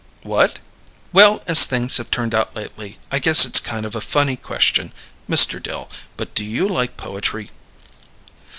"What?" "Well, as things have turned out lately I guess it's kind of a funny question, Mr. Dill, but do you like poetry?"